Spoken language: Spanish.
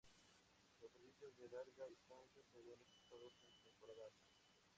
Los servicios de Larga Distancia se ven reforzados en temporada alta.